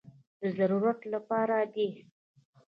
د ضرورت لپاره دي.